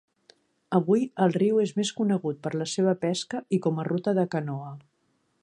Avui el riu és més conegut per la seva pesca i com a ruta de canoa.